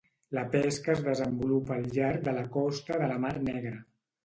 La pesca es desenvolupa al llarg de la costa de la Mar Negra.